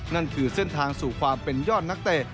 นั่นคือเส้นทางสู่ความเป็นยอดนักเตะ